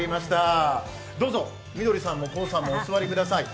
どうぞ、みどりさんもこうさんもお座りください。